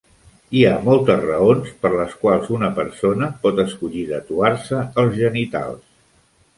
Hi ha moltes raons per les quals una persona pot escollir tatuar-se els genitals.